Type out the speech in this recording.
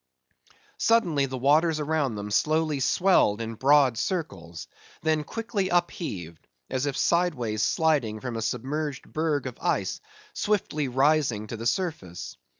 Suddenly the waters around them slowly swelled in broad circles; then quickly upheaved, as if sideways sliding from a submerged berg of ice, swiftly rising to the surface.